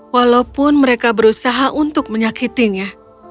walaupun mereka berusaha untuk menyakitinya